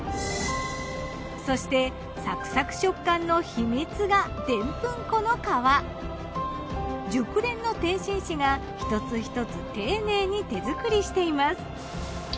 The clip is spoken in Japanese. そしてサクサク食感の秘密が熟練の点心師が一つ一つ丁寧に手作りしています。